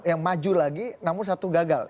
yang maju lagi namun satu gagal